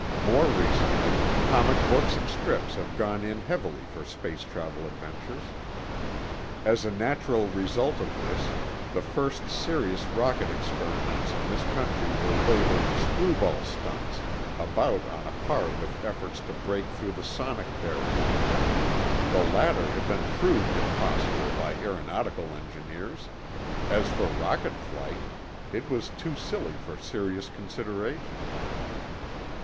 More recently, comic books and strips have gone in heavily for space travel adventures. As a natural result of this, the first serious rocket experiments in this country were labeled screwball stunts, about on a par with efforts to break through the sonic barrier. The latter had been "proved" impossible by aeronautical engineers; as for rocket flight, it was too silly for serious consideration.